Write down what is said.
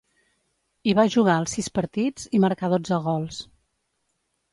Hi va jugar els sis partits, i marcà dotze gols.